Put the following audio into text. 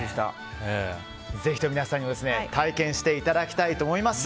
ぜひとも皆さんに体験していただきたいと思います。